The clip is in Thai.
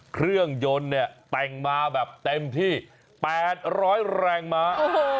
เครื่องยนต์เนี่ยแต่งมาแบบเต็มที่๘๐๐แรงม้า